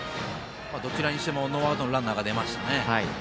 どちらにしてもノーアウトのランナーが出ました。